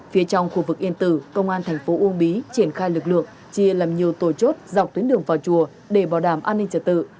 phía trong khu vực yên tử công an thành phố uông bí triển khai lực lượng chia làm nhiều tổ chốt dọc tuyến đường vào chùa để bảo đảm an ninh trật tự